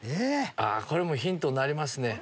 これもヒントになりますね。